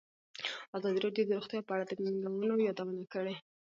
ازادي راډیو د روغتیا په اړه د ننګونو یادونه کړې.